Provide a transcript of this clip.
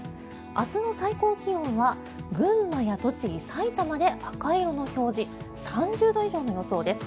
明日の最高気温は群馬や栃木、埼玉まで赤色の表示３０度以上の予想です。